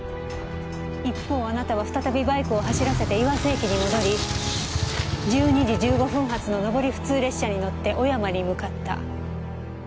一方あなたは再びバイクを走らせて岩瀬駅に戻り１２時１５分発の上り普通列車に乗って小山に向かった。